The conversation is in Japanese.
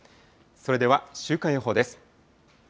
それでは週間予報です。